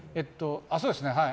そうですね。